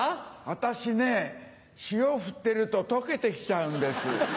私ね塩振ってると溶けて来ちゃうんです。